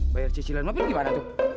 bayar cicilan mau pilih gimana tuh